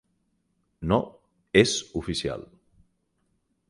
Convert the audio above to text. No "és" oficial.